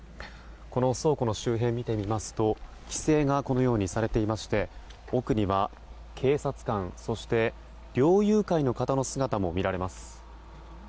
この倉庫の周辺を見てみますと規制がこのようにされていまして奥には警察官、そして猟友会の方の姿も見られます。